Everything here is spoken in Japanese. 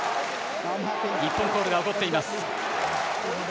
日本コールが起こっています。